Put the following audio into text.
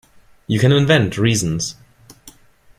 You can invent reasons.